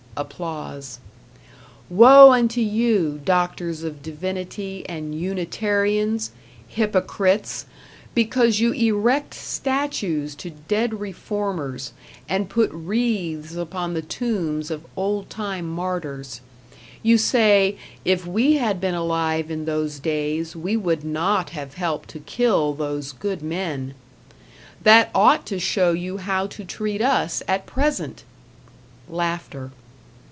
Woe unto you, doctors of divinity and Unitarians, hypocrites! because you erect statues to dead reformers, and put wreathes upon the tombs of old time martyrs. You say, if we had been alive in those days, we would not have helped to kill those good men. That ought to show you how to treat us at present.